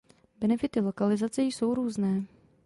Benefity lokalizace jsou různé.